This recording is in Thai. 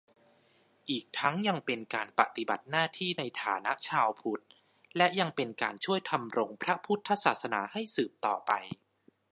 อีกทั้งยังเป็นการปฏิบัติหน้าที่ในฐานะชาวพุทธ และยังเป็นการช่วยธำรงพระพุทธศาสนาให้สืบต่อไป